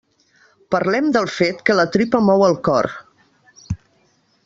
Parlem del fet que la tripa mou el cor.